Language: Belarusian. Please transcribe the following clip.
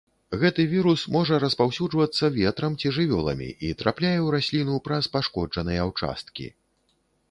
Гэты вірус можа распаўсюджвацца ветрам ці жывёламі і трапляе ў расліну праз пашкоджаныя ўчасткі.